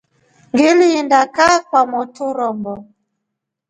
Ngilinda kaa kwa mwotru rombo.